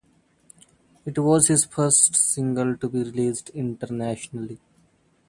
It was his first single to be released Internationally.